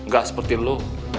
gak seperti lu